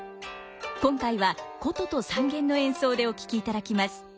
今回は箏と三絃の演奏でお聴きいただきます。